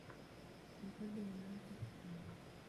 الْكَلْبُ يَنَامُ فِي الْبُسْتانِ.